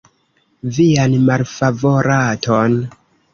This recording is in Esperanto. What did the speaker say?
Vian malfavoraton?